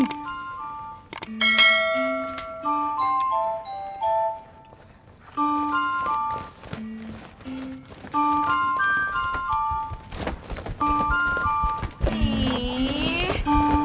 gue jadi apaja ning